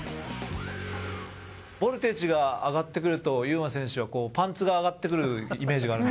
ボルテージが上がってくると優磨選手はこうパンツが上がってくるイメージがあるんですけど。